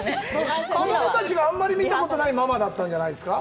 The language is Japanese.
子供たちがあんまり見たことのないママだったんじゃないですか？